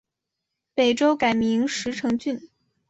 北周改名石城郡。